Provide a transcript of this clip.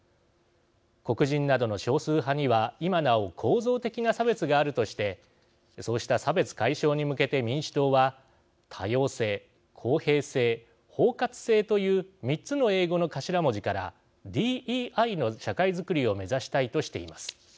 黒人などの少数派には今なお構造的な差別があるとしてそうした差別解消に向けて民主党は多様性公平性包括性という３つの英語の頭文字からＤＥＩの社会づくりを目指したいとしています。